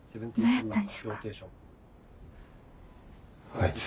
あいつ。